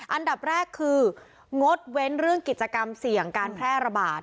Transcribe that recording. อันดับแรกคืองดเว้นเรื่องกิจกรรมเสี่ยงการแพร่ระบาด